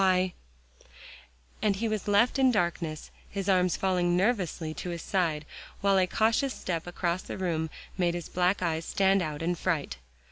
"Why" And he was left in darkness, his arms falling nervously to his side, while a cautious step across the room made his black eyes stand out in fright.